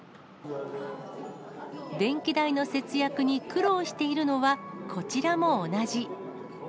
電気代の節約に苦労しているのはこちらも同じ。